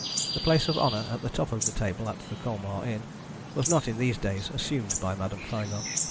The place of honour at the top of the table at the Colmar inn was not in these days assumed by Madame Faragon.